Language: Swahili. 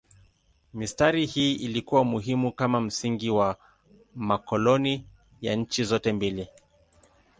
Mistari hii ilikuwa muhimu kama msingi wa makoloni ya nchi zote mbili.